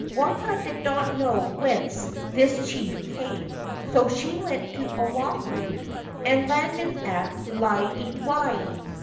Waka did not know whence this chief came, so she went to Oahu and landed at Laiewai.